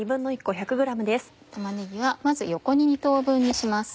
玉ねぎはまず横に２等分にします。